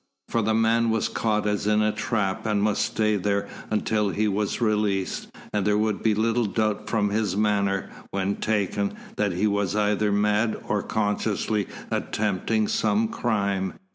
For the man was caught as in a trap and must stay there until he was released, and there would be little doubt from his manner, when taken, that he was either mad or consciously attempting some crime.